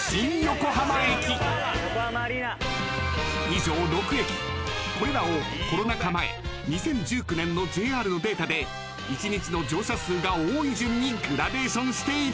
［以上６駅これらをコロナ禍前２０１９年のＪＲのデータで１日の乗車数が多い順にグラデーションしていただきましょう］